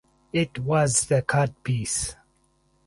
It was the codpiece.